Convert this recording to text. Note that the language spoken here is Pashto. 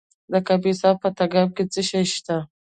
د کاپیسا په تګاب کې څه شی شته؟